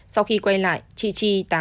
sau khi quay lại chị chi tạm